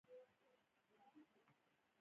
آیا د اوبو بندونه به ډک شي؟